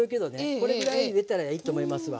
これぐらいゆでたらいいと思いますわ。